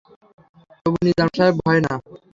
তবু নিজাম সাহেবের ভয় না।